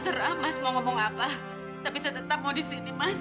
serah mas mau ngomong apa tapi saya tetap mau di sini mas